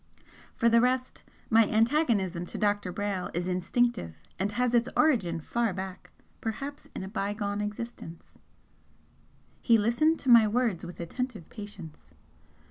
For the rest, my antagonism to Dr. Brayle is instinctive and has its origin far back perhaps in a bygone existence!" He listened to my words with attentive patience.